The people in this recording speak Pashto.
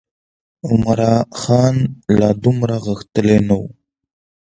عمرا خان لا دومره غښتلی نه و.